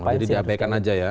jadi diabaikan aja ya